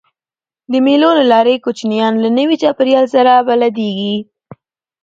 د مېلو له لاري کوچنيان له نوي چاپېریال سره بلديږي.